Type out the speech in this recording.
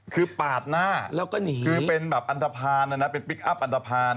คือปากหน้าเป็นปริกอัพอันตรภาณ